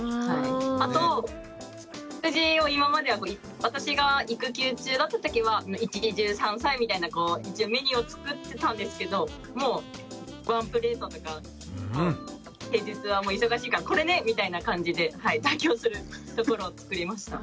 あと食事を今までは私が育休中だったときは一汁三菜みたいな一応メニューを作ってたんですけどもうワンプレートとか平日は忙しいからこれねみたいな感じで妥協するところをつくりました。